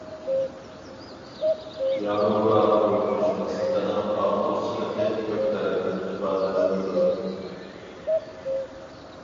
ياۋروپا ئۇيغۇرشۇناسلىقىنىڭ ئارتۇقچىلىقى كۆپ تەرەپتىن ئىپادىلىنىدۇ.